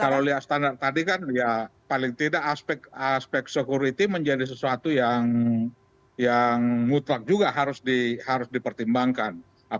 kalau lihat standar tadi kan ya paling tidak aspek aspek security menjadi sesuatu yang mutlak juga harus dipertimbangkan